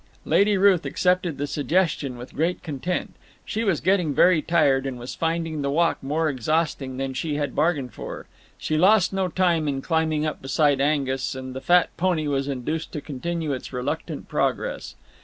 Lady Ruth accepted the suggestion with great content. She was getting very tired, and was finding the walk more exhausting than she had bargained for. She lost no time in climbing up beside Angus, and the fat pony was induced to continue its reluctant progress.